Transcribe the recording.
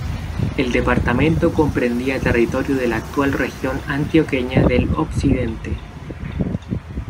El departamento comprendía territorio de la actual región antioqueña del Occidente.